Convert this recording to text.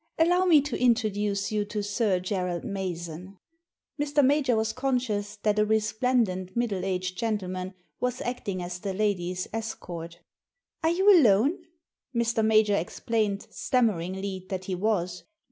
Allow me to introduce you to Sir Gerald Mason." Mr. Major was conscious that a resplendent middle aged gentleman was acting as the lady's escort "Are you alone?'* Mr. Major explained, stammeringly, that he was.